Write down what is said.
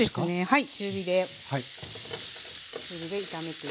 はい。